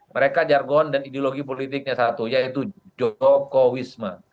mereka jargon dan ideologi politiknya satu yaitu jokowisme